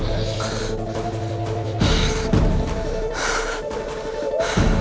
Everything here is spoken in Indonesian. gue gak kuat lanjut lari